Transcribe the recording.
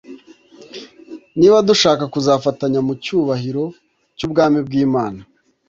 niba dushaka kuzafatanya mu cyubahiro cy'ubwami bw’Imana.